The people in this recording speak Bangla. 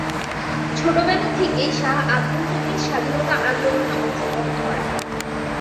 ছোটবেলা থেকেই শাহ আব্দুল হামিদ স্বাধীনতা আন্দোলনে অংশগ্রহণ করেন।